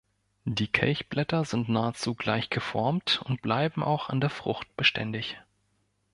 Die Kelchblätter sind nahezu gleich geformt und bleiben auch an der Frucht beständig.